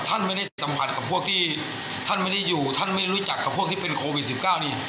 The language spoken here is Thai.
ท่านไม่ได้สัมผัสกับพวกที่ท่านไม่ได้อยู่ท่านไม่รู้จักกับพวกที่เป็นโควิด๑๙นี่